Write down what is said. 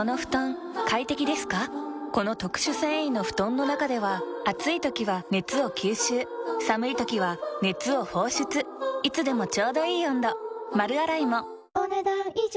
この特殊繊維の布団の中では暑い時は熱を吸収寒い時は熱を放出いつでもちょうどいい温度丸洗いもお、ねだん以上。